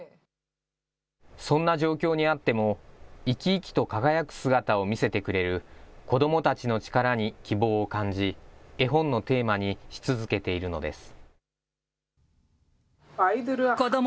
そんな状況にあっても、生き生きと輝く姿を見せてくれる子どもたちの力に希望を感じ、絵本のテーマにし続けているのです。